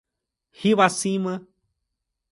Rio Acima